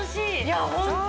いやホント。